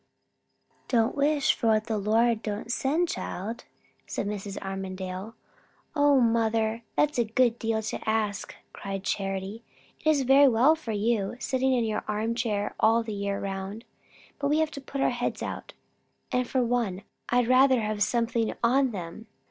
"Don't wish for what the Lord don't send, child," said Mrs. Armadale. "O mother! that's a good deal to ask," cried Charity. "It's very well for you, sitting in your arm chair all the year round; but we have to put our heads out; and for one, I'd rather have something on them.